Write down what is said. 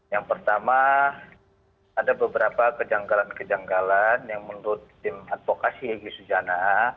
yang pertama ada beberapa kejanggalan kejanggalan yang menurut tim advokasi egy sujana